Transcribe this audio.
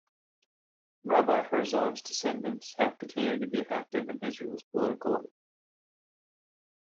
Rabbi Herzog's descendants have continued to be active in Israel's political life.